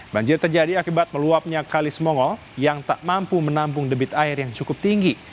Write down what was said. banjir terjadi akibat meluapnya kali semongo yang tak mampu menampung debit air yang cukup tinggi